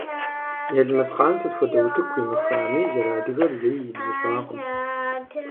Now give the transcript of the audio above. Елмэсхъан сыт хуэдэ утыку имыхуами, зэрыадыгэр зэи ибзыщӏакъым.